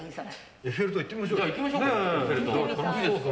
エッフェル塔行ってみましょうよ。